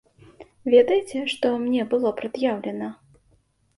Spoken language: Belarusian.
Ведаеце, што мне было прад'яўлена?